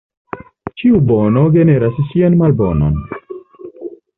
Ĉiu bono generas sian malbonon.